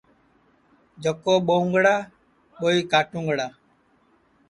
جکو ٻوؤنگڑا ٻُوئی کاٹُونگڑا